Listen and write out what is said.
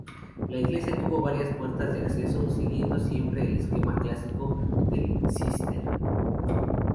La iglesia tuvo varias puertas de acceso, siguiendo siempre el esquema clásico del Císter.